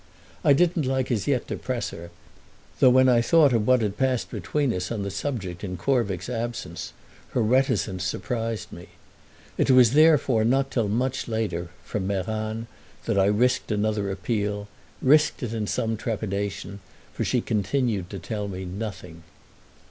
I didn't like as yet to press her, though when I thought of what had passed between us on the subject in Corvick's absence her reticence surprised me. It was therefore not till much later, from Meran, that I risked another appeal, risked it in some trepidation, for she continued to tell me nothing.